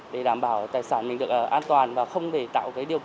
để đảm bảo tài sản mình được an toàn và không để tạo cái điểm khóa